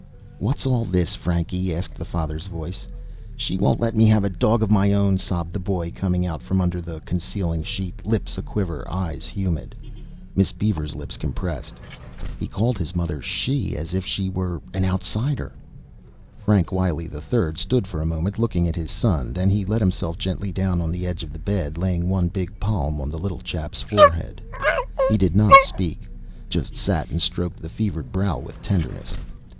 "What's all this, Frankie?" asked the father's voice. "She won't let me have a dog of my own," sobbed the boy, coming out from under the concealing sheet, lips a quiver, eyes humid. Miss Beaver's lips compressed. He called his mother "She" as if she were an outsider.... Frank Wiley III stood for a moment looking at his son, then let himself gently down on the edge of the bed, laying one big palm on the little chap's hot forehead. He did not speak, just sat and stroked the fevered brow with tenderness.